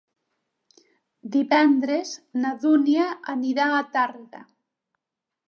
Divendres na Dúnia anirà a Tàrrega.